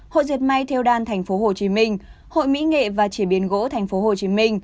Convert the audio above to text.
hội diệt may theo đan tp hcm hội mỹ nghệ và chế biến gỗ tp hcm